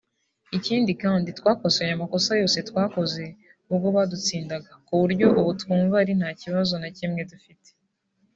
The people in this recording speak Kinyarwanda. Ikindi kandi twakosoye amakosa yose twakoze ubwo badutsindaga ku buryo ubu twumva ari nta kibazo na kimwe dufite